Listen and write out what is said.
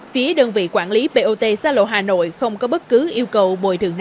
phía đơn vị quản lý bot xa lộ hà nội không có bất cứ yêu cầu bồi thường nào